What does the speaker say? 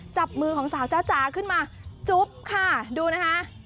จับมือของสาวจ้าจ๋าขึ้นมาจุ๊บค่ะดูนะคะ